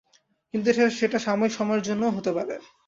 কিন্তু সেটা সাময়িক সময়ের জন্যও হতে পারে।